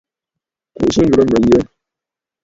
Kùʼùsə ŋghɨrə mə̀ yə̂!